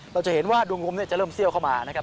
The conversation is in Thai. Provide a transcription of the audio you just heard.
เราจะเห็นว่าดวงงมจะเริ่มเซี่ยวเข้ามานะครับ